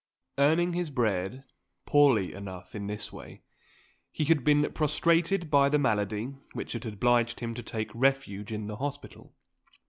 Earning his bread, poorly enough in this way, he had been prostrated by the malady which had obliged him to take refuge in the hospital.